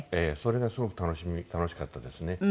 それがすごく楽しかったですね。